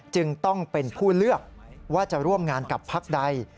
จึงต้องเป็นผู้เลือกว่าจะร่วมงานกับพักใด